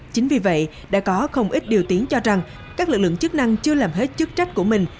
chính vì vậy đã có không ít điều tiếng cho rằng các lực lượng chức năng chưa làm hết chức trách của mình